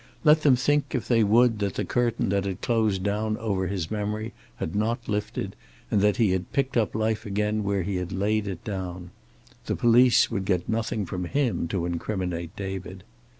Let them think, if they would, that the curtain that had closed down over his memory had not lifted, and that he had picked up life again where he had laid it down. The police would get nothing from him to incriminate David.